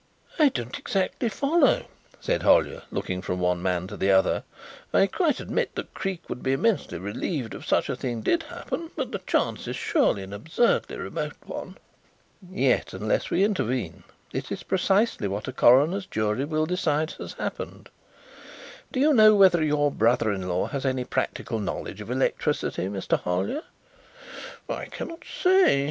"I don't exactly follow," said Hollyer, looking from one man to the other. "I quite admit that Creake would be immensely relieved if such a thing did happen, but the chance is surely an absurdly remote one." "Yet unless we intervene it is precisely what a coroner's jury will decide has happened. Do you know whether your brother in law has any practical knowledge of electricity, Mr. Hollyer?" "I cannot say.